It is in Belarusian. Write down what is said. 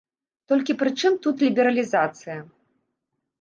Толькі пры чым тут лібералізацыя?